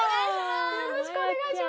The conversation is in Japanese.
よろしくお願いします。